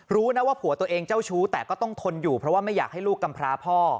รู้นะว่าผัวตัวเองเจ้าชู้แต่ก็ต้องทนอยู่เพราะว่าไม่อยากให้ลูกกำพราพ่อ